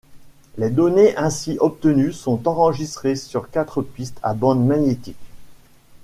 Les données ainsi obtenues sont enregistrées sur quatre pistes à bande magnétique.